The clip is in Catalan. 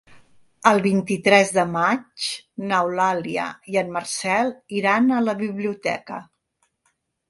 El vint-i-tres de maig n'Eulàlia i en Marcel iran a la biblioteca.